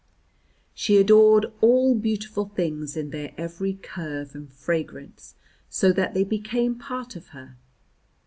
She adored all beautiful things in their every curve and fragrance, so that they became part of her.